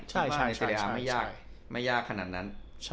ในเซรียร์อ่าไม่ยากไม่ยากขนาดนั้น